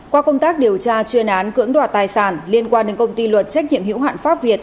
qua công tác điều tra chuyên án cưỡng đoạt tài sản liên quan đến công ty luật trách nhiệm hữu hạn pháp việt